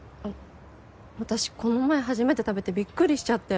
私この前初めて食べてびっくりしちゃって。